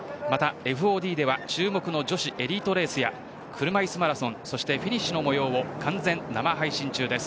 ＦＯＤでは注目の女子エリートレースや車いすマラソンそして、フィニッシュの模様を完全生配信中です。